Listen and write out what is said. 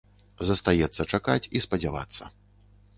Застаецца чакаць і спадзявацца.